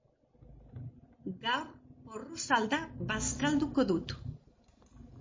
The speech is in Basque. Gaur porrusalda bazkalduko dut.